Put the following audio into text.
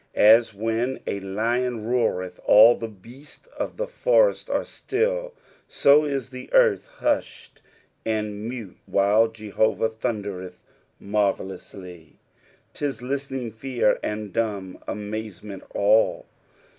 As when a lion roaretb, nil the beasts of tbe forest are still, so is the earth biubed and mute while Jehovah thunderetfa marvellously. "Tis lliteolng tear and dumb amaiement all."